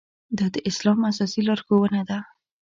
دا د اسلام اساسي لارښوونه ده.